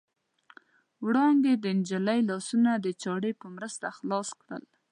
وړانګې د نجلۍ لاسونه د چاړې په مرسته خلاص کړل.